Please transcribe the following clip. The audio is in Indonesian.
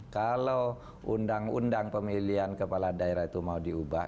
kalau undang undang pemilihan kepala daerah itu mau diubah